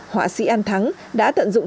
họa sĩ an thắng đã tận dụng